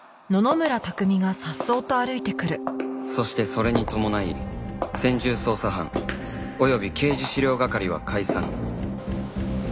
そしてそれに伴い専従捜査班および刑事資料係は解散